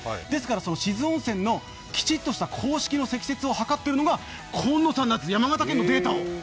志津温泉のきちっとしたデータを取っているのが今野さんなんです、山形県のデータを。